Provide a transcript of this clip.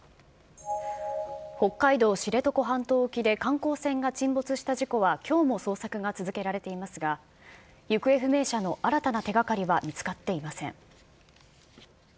北海道知床半島沖で観光船が沈没した事故は、きょうも捜索が続けられていますが、行方不明者の新たな手がかりは見つかっていません。